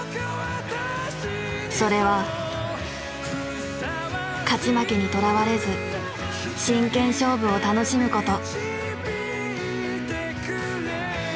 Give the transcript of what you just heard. それは勝ち負けにとらわれず真剣勝負を楽しむこと。